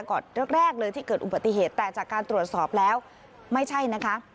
แรกแรกเลยที่เกิดอุบัติเหตุแต่จากการตรวจสอบแล้วไม่ใช่นะคะ